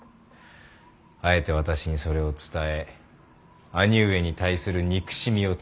あえて私にそれを伝え兄上に対する憎しみを募らせる。